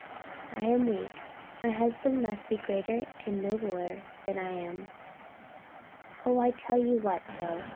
I am weak my husband must be greater and nobler than I am." "Oh, I tell you what, though!"